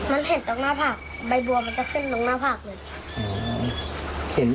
มันเห็นตรงหน้าผากใบบัวมันจะขึ้นตรงหน้าผากเลยค่ะ